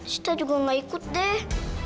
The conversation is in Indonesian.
sita juga gak ikut deh